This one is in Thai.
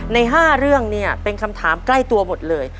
ใน๕เรื่องเนี่ยเป็นคำถามใกล้ตัวหมดเลย